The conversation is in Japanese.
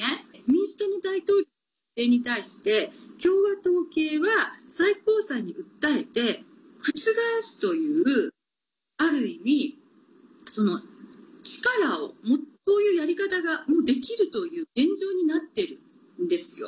民主党の大統領の決定に対して共和党系は最高裁に訴えて覆すというある意味、力を持つそういうやり方がもうできるという現状になっているんですよ。